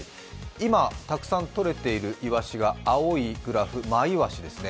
今、たくさん取れているイワシが青いグラフ、マイワシですね。